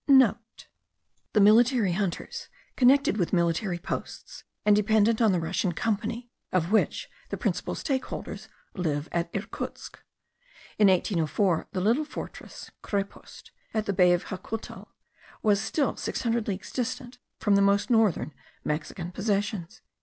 (* The hunters connected with military posts, and dependent on the Russian Company, of which the principal shareholders live at Irkutsk. In 1804 the little fortress (krepost) at the bay of Jakutal was still six hundred leagues distant from the most northern Mexican possessions.)